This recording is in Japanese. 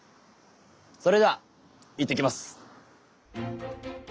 それではいってきます。